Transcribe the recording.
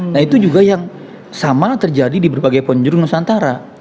nah itu juga yang sama terjadi di berbagai penjuru nusantara